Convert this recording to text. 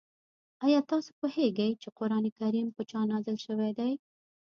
آیا تاسو پوهېږئ چې قرآن کریم په چا نازل شوی دی؟